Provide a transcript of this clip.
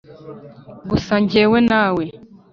gusa njyewe nawe